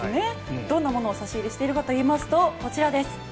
どんなものを差し入れしているかといいますとこちらです。